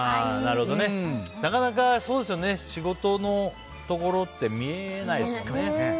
なかなか、仕事のところって見えないですもんね。